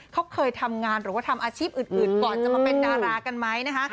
เขาเคยทำงานหรือว่าทำอาชีพอื่นก่อนจะมาเป็นดารากันไหมนะคะ